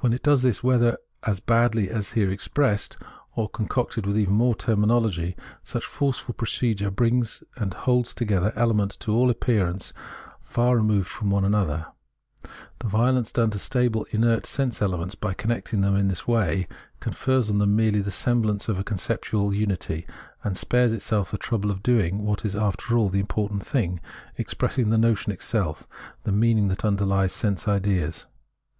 When it does this whether as baldly as it is here expressed or concocted with even more terminology, such forceful procedure brings and holds together elements to all appearance far re moved from one another ; the violence done to stable inert sense elements by connecting them in this way, confers on them merely the semblance of a conceptual unity, and spares itself the trouble of doing what is after all the important thing — expressing the notion itself, the meaning that underlies sense ideas.